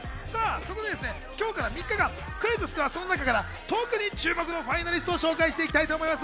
そこで今日から３日間クイズッスではこの中から特に注目のファイナリストを紹介していきたいと思います。